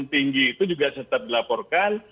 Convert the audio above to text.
tinggi itu juga tetap dilaporkan